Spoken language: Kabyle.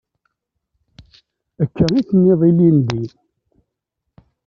Akka i d-tenniḍ ilindi.